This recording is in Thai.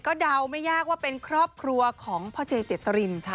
ก็เดาไม่ยากว่าเป็นครอบครัวของพ่อเจเจตริน